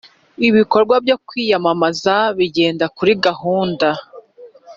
ibikorwa byo kwiyamamaza bigenda kuri ghunda